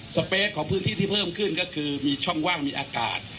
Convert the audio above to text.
สเปคของพื้นที่ที่เพิ่มขึ้นก็คือมีช่องว่างมีอากาศ